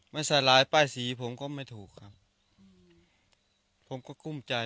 สลายป้ายสีผมก็ไม่ถูกครับผมก็กุ้มใจ